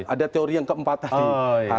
ada teori yang keempat tadi